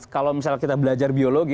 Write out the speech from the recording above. kalau misalnya kita belajar biologi